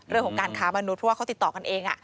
เรื่องของการค้ามนุษย์เพราะว่าเขาติดต่อกันเอง